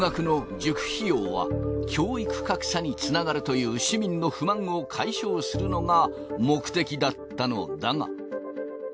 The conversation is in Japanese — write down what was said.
教育格差につながるという市民の不満を解消するのが目的だったのだが。